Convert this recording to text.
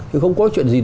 thì không có chuyện gì